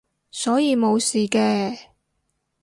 所以冇事嘅